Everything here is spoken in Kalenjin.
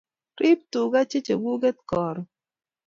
Rib tuka che chuket karun